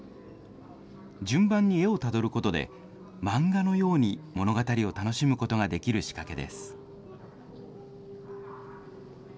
順番に絵をたどることで、漫画のように物語を楽しむことができる仕掛けです。